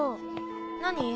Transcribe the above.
何？